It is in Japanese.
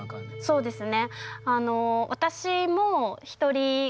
そうですね。